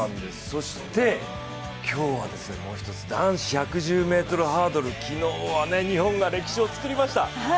そして今日はもう一つ、男子１１０ｍハードル、昨日は日本が歴史をつくりました。